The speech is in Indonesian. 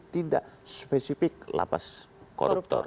tidak spesifik lapas koruptor